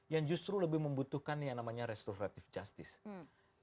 yang justru lebih membutuhkan yang namanya restoratif justice